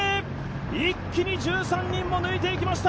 一気に１３人を抜いていきました。